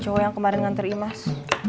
cowok yang kemaren ngantri mas